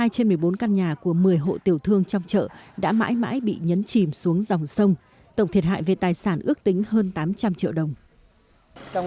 một mươi trên một mươi bốn căn nhà của một mươi hộ tiểu thương trong chợ đã mãi mãi bị nhấn chìm xuống dòng sông tổng thiệt hại về tài sản ước tính hơn tám trăm linh triệu đồng